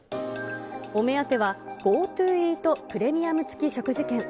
お目当てはＧｏＴｏイートプレミアム付き食事券。